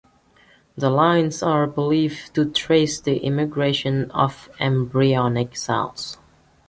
The lines are believed to trace the migration of embryonic cells.